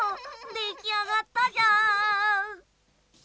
できあがったじゃーん。